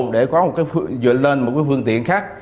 để có một cái vượt lên một cái phương tiện khác